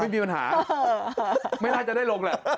มีปัญหาไม่น่าจะได้ลงแหละ